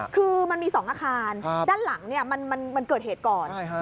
คือมันมี๒อาคารด้านหลังมันเกิดเหตุก่อน